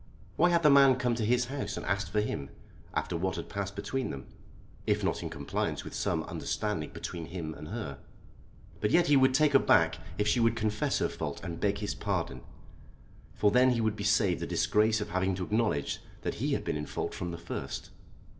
Why had the man come to his house and asked for him, after what had passed between them, if not in compliance with some understanding between him and her? But yet he would take her back if she would confess her fault and beg his pardon, for then he would be saved the disgrace of having to acknowledge that he had been in fault from the first.